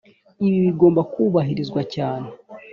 ibi bigomba kubahirizwa cyane